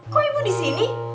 kok ibu disini